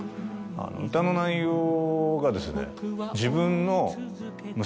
歌の内容がですね。